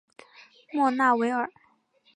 莫纳维尔。